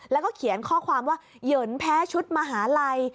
แล้วก็เขียนข้อความว่าเหยินแพ้ชุดมหาลัย